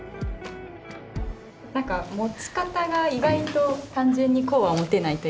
何か持ち方が意外と単純にこうは持てないというか。